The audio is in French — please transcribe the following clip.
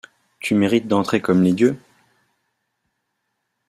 Tu mérites d’entrer comme les dieux.